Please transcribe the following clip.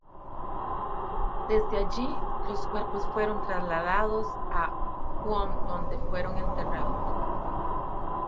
Desde allí, los cuerpos fueron trasladado a Qom, donde fueron enterrados.